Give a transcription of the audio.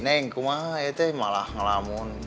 neng gue mah malah ngelamun